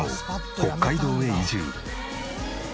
北海道へ移住。